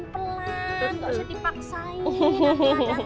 gak usah dipaksain